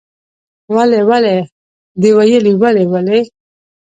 ولي ولې د ویالې ولې ولې؟